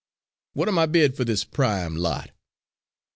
What am I bid for this prime lot?"